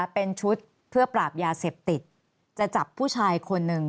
เป็นชุดเพื่อปราบยาเสพติดจะจับผู้ชายคนหนึ่ง